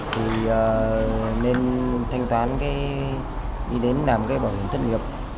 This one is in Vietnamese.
thì nên thanh toán đi đến làm cái bảo hiểm thất nghiệp